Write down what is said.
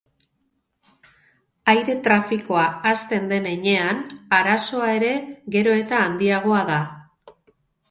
Aire trafikoa hazten den heinean, arazoa ere gero eta handiagoa da.